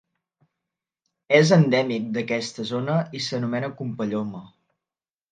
És endèmic d'aquesta zona i s'anomena Kompelloma.